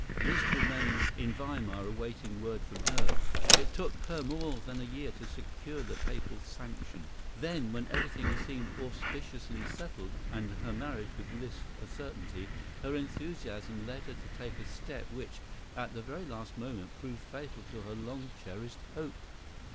Liszt remained in Weimar awaiting word from her. It took her more than a year to secure the Papal sanction. Then, when everything seemed auspiciously settled and her marriage with Liszt a certainty, her enthusiasm led her to take a step which, at the very last moment, proved fatal to her long cherished hope.